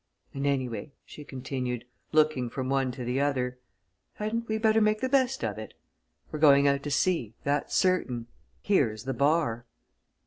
And anyway," she continued, looking from one to the other, "hadn't we better make the best of it? We're going out to sea, that's certain here's the bar!"